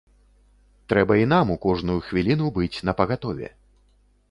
Трэба і нам у кожную хвіліну быць напагатове.